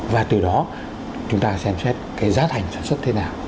và từ đó chúng ta xem xét cái giá thành sản xuất thế nào